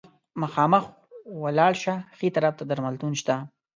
مخامخ ولاړ شه، ښي طرف ته درملتون شته.